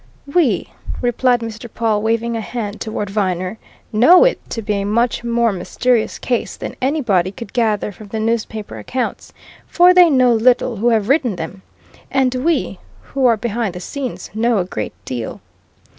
"We," replied Mr. Pawle, waving a hand toward Viner, "know it to be a much more mysterious case than anybody could gather from the newspaper accounts, for they know little who have written them, and we, who are behind the scenes, know a great deal.